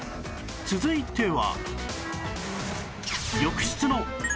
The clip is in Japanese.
続いては